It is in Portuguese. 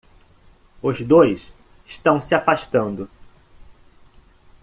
Os dois estão se afastando